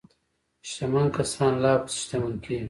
شتمن کسان لا پسې شتمن کیږي.